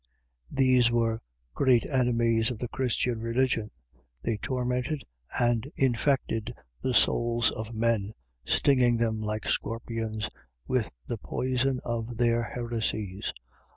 These were great enemies of the Christian religion; they tormented and infected the souls of men, stinging them like scorpions, with the poison of their heresies.